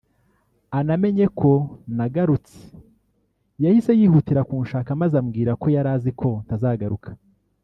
anamenye ko nagarutse yahise yihutira kunshaka maze ambwira ko yari azi ko ntazagaruka